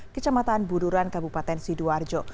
kecamatan buduran kabupaten sidoarjo